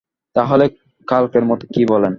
তা হলে কালকের মতো– কী বলেন?